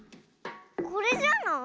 これじゃない？